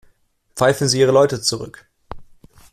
Pfeifen Sie Ihre Leute zurück.